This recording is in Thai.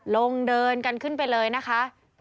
เดินกันขึ้นไปเลยนะคะ